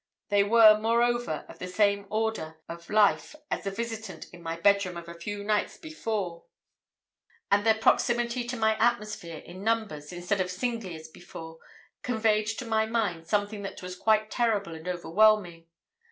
They were, moreover, of the same order of life as the visitant in my bedroom of a few nights before, and their proximity to my atmosphere in numbers, instead of singly as before, conveyed to my mind something that was quite terrible and overwhelming.